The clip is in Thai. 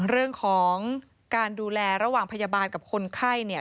เรื่องของการดูแลระหว่างพยาบาลกับคนไข้เนี่ย